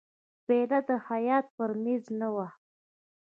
پیاله د خیاط پر مېز نه وي.